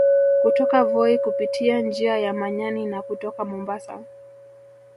Kutoka Voi kupitia njia ya Manyani na kutoka Mombasa